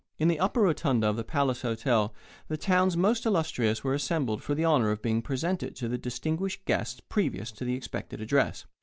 In the upper rotunda of the Palace Hotel the town's most illustrious were assembled for the honour of being presented to the distinguished guests previous to the expected address.